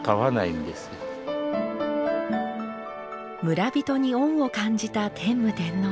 村人に恩を感じた天武天皇。